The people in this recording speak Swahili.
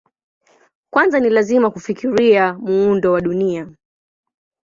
Kwanza ni lazima kufikiria muundo wa Dunia.